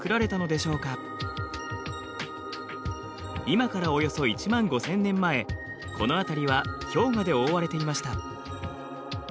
今からおよそ１万５，０００年前この辺りは氷河で覆われていました。